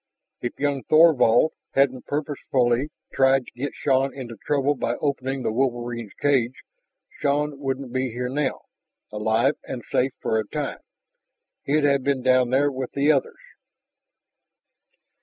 If young Thorvald hadn't purposefully tried to get Shann into trouble by opening the wolverines' cage, Shann wouldn't be here now alive and safe for a time he'd have been down there with the others.